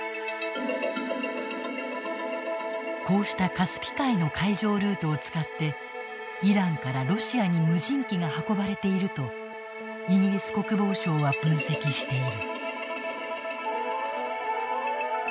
こうしたカスピ海の海上ルートを使ってイランからロシアに無人機が運ばれているとイギリス国防省は分析している。